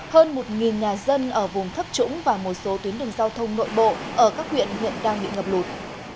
hơn một nhà dân ở vùng thấp trũng và một số tuyến đường giao thông nội bộ ở các huyện hiện đang bị ngập lụt